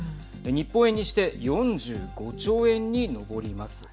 日本円にして４５兆円に上ります。